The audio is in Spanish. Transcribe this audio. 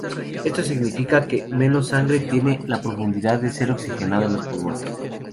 Esto significa que menos sangre tiene la oportunidad de ser oxigenada en los pulmones.